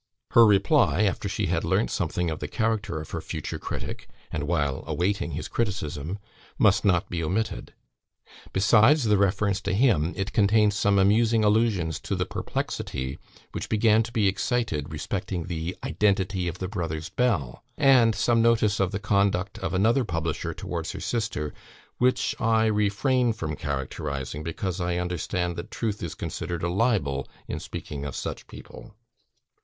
Her reply, after she had learnt something of the character of her future critic, and while awaiting his criticism, must not be omitted. Besides the reference to him, it contains some amusing allusions to the perplexity which began to be excited respecting the "identity of the brothers Bell," and some notice of the conduct of another publisher towards her sister, which I refrain from characterising, because I understand that truth is considered a libel in speaking of such people.